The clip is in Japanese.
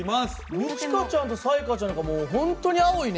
二千翔ちゃんと彩加ちゃんなんかもう本当に青いね。